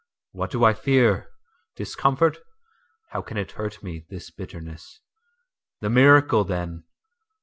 …What do I fear? Discomfort? How can it hurt me, this bitterness? The miracle, then!